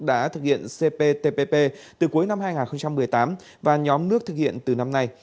đã thực hiện cptpp từ cuối năm hai nghìn một mươi tám và nhóm nước thực hiện từ năm nay